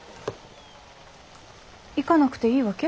行かなくていいわけ？